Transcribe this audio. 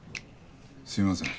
すいません。